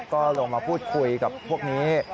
ก็ลงมาพูดคุยกับพวกนี้